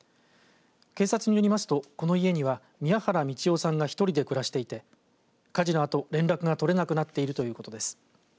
警察によりますと、この家には宮原美智生さんが１人で暮らしていて火事のあと連絡が取れなくなっているということです。